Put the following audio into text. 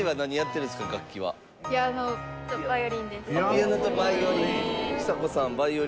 ピアノとヴァイオリン。